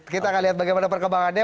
kita akan lihat bagaimana perkembangannya